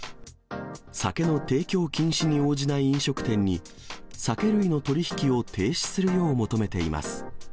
酒の提供禁止に応じない飲食店に、酒類の取り引きを停止するよう求めています。